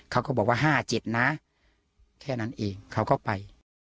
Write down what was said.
เขาก็บอกว่า๕๗นะแค่นั้นเองเขาก็ไป